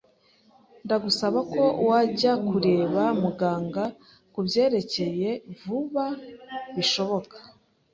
Ndagusaba ko wajya kureba muganga kubyerekeye vuba bishoboka.